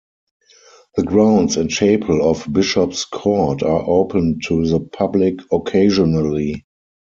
The grounds and chapel of Bishop's Court are opened to the public occasionally.